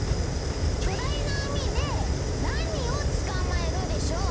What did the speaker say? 「巨大な網で何を捕まえるでしょう？